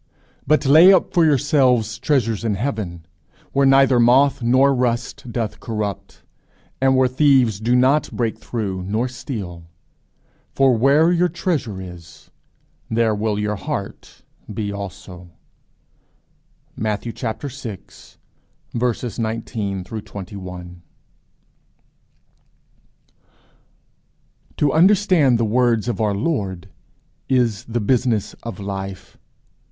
But lay up for yourselves treasures in heaven, where neither moth nor rust doth corrupt, and where thieves do not break through nor steal. For where your treasure is, there will your heart be also_. MATT. vi. 19, 20, 21. To understand the words of our Lord is the business of life.